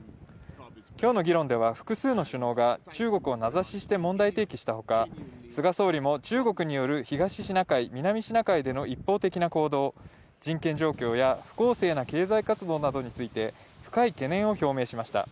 今日の議論では複数の首脳が中国を名指しして問題提起した他菅総理も中国による東シナ海南シナ海での一方的な行動人権状況や不公正な経済活動などについて深い懸念を表明しました。